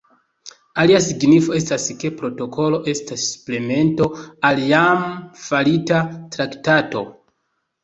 Alia signifo estas, ke protokolo estas suplemento al jam farita traktato.